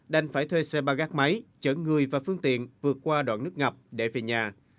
đành phải thuê xe ba gác máy chở người và phương tiện vượt qua đoạn nước ngập để về nhà